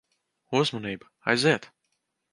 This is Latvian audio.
Uzmanību. Aiziet.